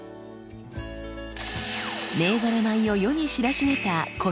銘柄米を世に知らしめた「コシヒカリ」。